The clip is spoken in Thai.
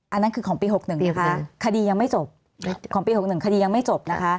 อันนั้นคือของปี๖๑ค่ะคดียังไม่จบ